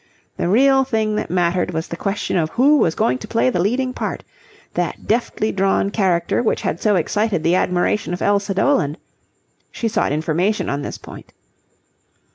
The real thing that mattered was the question of who was going to play the leading part, that deftly drawn character which had so excited the admiration of Elsa Doland. She sought information on this point.